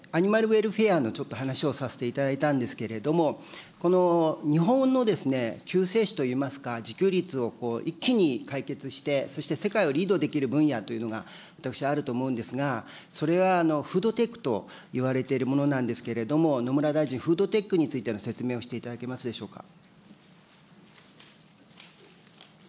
アニマルウェルフェアのちょっと話をさせていただいたんですけれども、この日本の救世主といいますか、自給率を一気に解決して、そして世界をリードできる分野というのが私、あると思うんですが、それはフードテックといわれているものなんですけれども、野村大臣、フードテックについての説明をしていただけますでしょうか。